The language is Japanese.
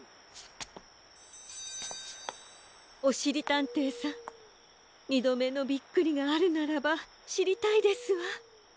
おしりたんていさんにどめのびっくりがあるならばしりたいですわ。